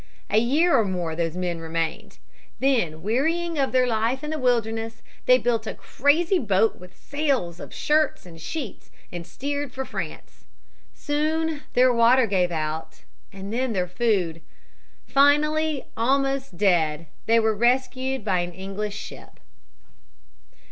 A year or more these men remained. Then wearying of their life in the wilderness, they built a crazy boat with sails of shirts and sheets and steered for France. Soon their water gave out and then their food. Finally, almost dead, they were rescued by an English ship.